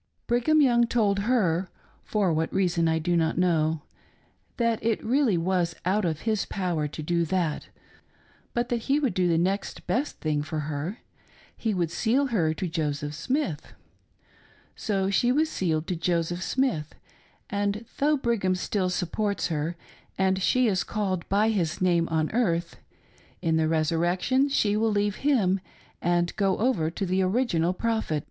Brigham Young told her (for what reason I do not know) that it really was out of his power to do that, but that he wbuld do "the next best thing" for her — ^he would " seal " her to Joseph Smith. So she was sealed to Joseph Smith, and" though Brigham still supports her and she is called by his name on earth, in the resurrection she will leave him and go over to the ori^nal Prophet.